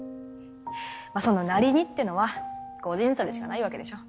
その「なりに」ってのは個人差でしかないわけでしょ。